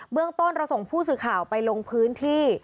เรื่องต้นเราส่งผู้สื่อข่าวไปลงพื้นที่